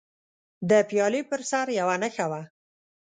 د پیالې پر سر یوه نښه وه.